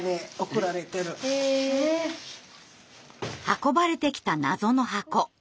運ばれてきた謎の箱。